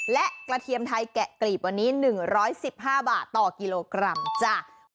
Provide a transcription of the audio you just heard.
และกระเทียมไทยแกะกลีบวันนี้๑๑๕บาทต่อกิโลกรัมจ้ะ